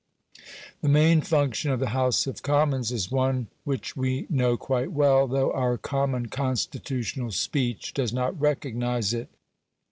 The main function of the House of Commons is one which we know quite well, though our common constitutional speech does not recognise it.